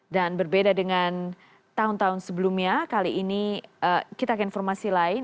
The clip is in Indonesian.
dan berbeda dengan tahun tahun sebelumnya kali ini kita akan informasi lain